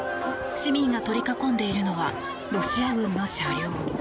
市民が取り囲んでいるのはロシア軍の車両。